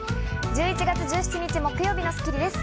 １１月１７日、木曜日の『スッキリ』です。